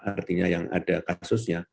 artinya yang ada kasusnya